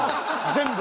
全部。